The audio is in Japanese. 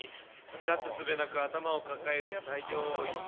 なすすべなく頭を抱える作業員。